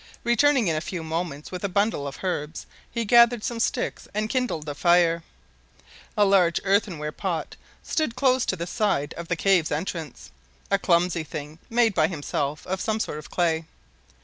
Returning in a few moments with a bundle of herbs, he gathered some sticks and kindled a fire. A large earthenware pot stood close to the side of the cave's entrance a clumsy thing, made by himself of some sort of clay.